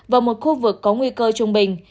và một khu vực có nguy cơ trung bình